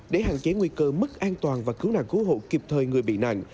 để hạn chế nguy cơ mất an toàn và cứu nạn cứu hộ kịp thời người bị nạn